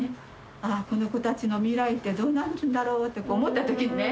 ああこの子たちの未来ってどうなるんだろうって思った時にね